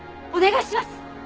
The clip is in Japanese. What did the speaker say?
お願いします！